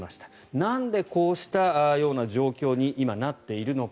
なんでこうしたような状況に今、なっているのか。